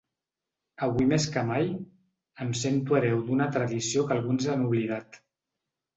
Avui més que mai, em sento hereu d'una tradició que alguns han oblidat.